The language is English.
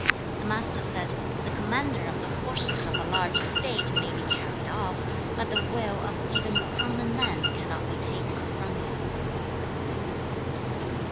The Master said, 'The commander of the forces of a large state may be carried off, but the will of even a common man cannot be taken from him.'